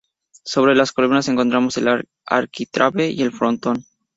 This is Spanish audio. Sobre las columnas encontramos el arquitrabe y el frontón.